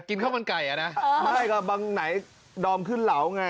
กินข้าวมันไก่อ่ะนะไม่ก็บางไหนดอมขึ้นเหลาไง